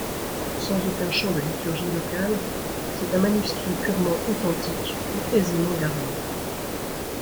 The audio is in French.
Sans aucun chant de liturgie locale, c'est un manuscrit purement authentique et aisément gardé.